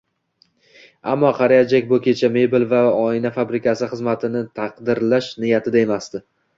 Ammo Qariya Jek bu kecha mebel va oyna fabrikasi xizmatini "takdirlash" niyatida emasdi